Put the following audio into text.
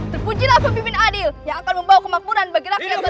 terpujilah pemimpin adil yang akan membawa kemakmuran bagi rakyat waringin boja